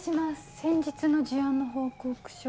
先日の事案の報告書を。